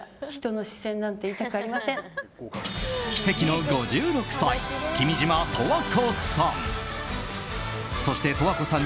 奇跡の５６歳、君島十和子さん。